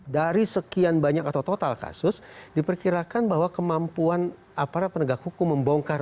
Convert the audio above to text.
dari sekian banyak atau total kasus diperkirakan bahwa kemampuan aparat penegak hukum membongkar